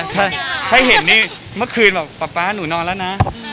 ถ้าให้เห็นนี่เมื่อคืนบอกป๊าป๊าหนูนอนแล้วนะ